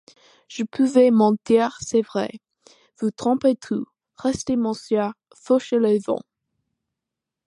Je pouvais mentir, c'est vrai, vous tromper tous, rester monsieur Fauchelevent.